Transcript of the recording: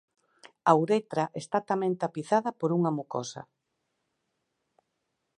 A uretra está tamén tapizada por unha mucosa.